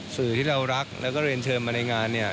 สื่อที่เรารักแล้วก็เรียนเชิญมาในงานเนี่ย